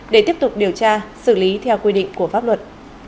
để tiếp tục điều tra xử lý theo quy định của pháp luật